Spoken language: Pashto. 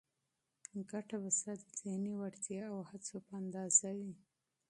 ګټه به ستا د ذهني وړتیا او هڅو په اندازه وي.